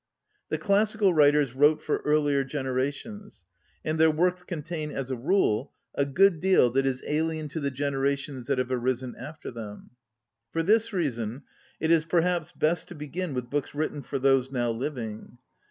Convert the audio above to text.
The classical writers wrote for earlier generations, and their works contain as a rule a good deal that is alien to the generations that have arisen after them. For this reason it is perhaps best to begin with books written for those now living.